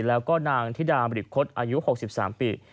แล้วก็นางธิดามริคตอายุ๖๓ปี